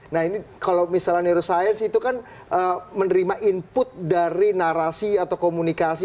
nah ini kalau misalnya neuroscience itu kan menerima input dari narasi atau komunikasi